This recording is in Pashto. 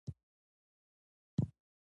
ستا میز لوی دی.